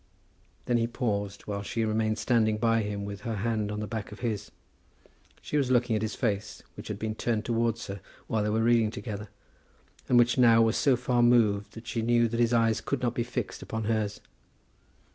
Then he paused, while she remained standing by him with her hand on the back of his. She was looking at his face, which had been turned towards her while they were reading together, but which now was so far moved that she knew that his eyes could not be fixed upon hers.